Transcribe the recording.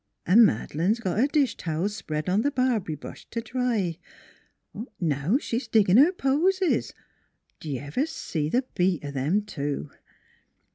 An' Mad'lane's got her dish towels spread on th' barb'ry bush t' dry. Now she's diggin' her posies; did y' ever see the beat o' them two?"